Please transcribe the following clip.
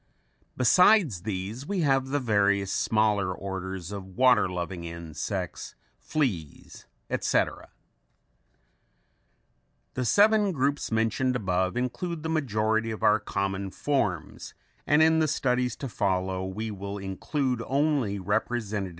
Besides these we have the various smaller orders of water loving insects, fleas, etc. The seven groups mentioned above include the majority of our common forms and in the studies to follow we will include only representatives from these orders.